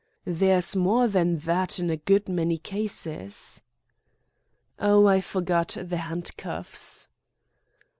"There's more than that in a good many cases." "Ah, I forgot the handcuffs."